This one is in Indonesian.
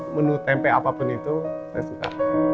menu tempe apapun itu saya suka